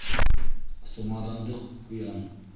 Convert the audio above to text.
Сумаҙанды ҡуям!